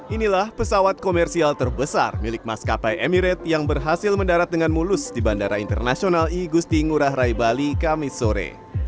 inilah pesawat komersial terbesar milik maskapai emirat yang berhasil mendarat dengan mulus di bandara internasional igusti ngurah rai bali kamisore